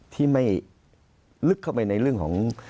ที่ไม่ลึกเข้าไปในเรื่องของ